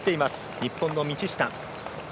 日本の道下。